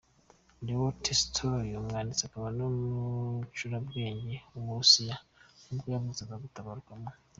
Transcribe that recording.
Leo Tolstoy, umwanditsi akaba n’umucurabwenge w’umurusiya ni bwo yavutse, aza gutabaruka mu .